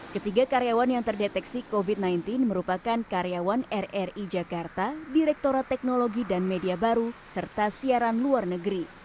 ketiga karyawan yang terdeteksi covid sembilan belas merupakan karyawan rri jakarta direkturat teknologi dan media baru serta siaran luar negeri